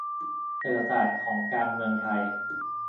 "เศรษฐศาสตร์ของการเมืองไทย"